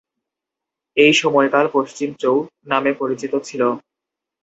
এই সময়কাল পশ্চিম চৌ নামে পরিচিত ছিল।